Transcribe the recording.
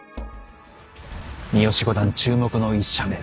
三好五段注目の１射目。